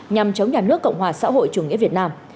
nhằm chống nhà nước cộng hòa xã hội chủ nghĩa việt nam